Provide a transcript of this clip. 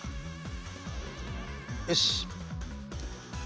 よし。